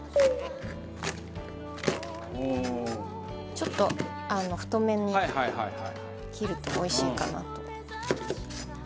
ちょっと太めに切るとおいしいかなと。